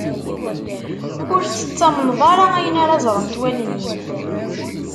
Ur tettamneḍ ara ayen ara ẓrent wallen-im.